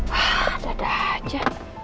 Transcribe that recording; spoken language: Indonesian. wah ada aja